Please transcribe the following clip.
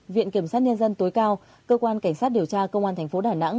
viện kiểm sát nhân dân tối cao cơ quan cảnh sát điều tra công an thành phố đà nẵng